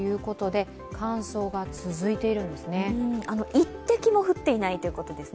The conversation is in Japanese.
一滴も降っていないということですね。